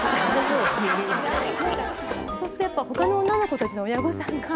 そうするとやっぱ他の女の子たちの親御さんが。